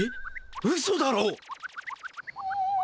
うそだろ。